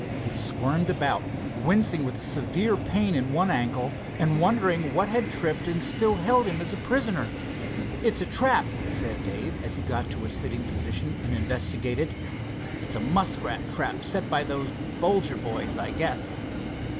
He squirmed about, wincing with a severe pain in one ankle, and wondering what had tripped and still held him a prisoner. "It's a trap," said Dave, as he got to a sitting position and investigated. "It's a muskrat trap set by the Bolger boys, I guess."